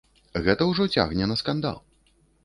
Гэта ўжо цягне на скандал.